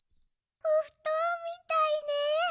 おふとんみたいね。